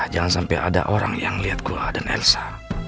jangan sampai ada orang yang liat gue dan elsa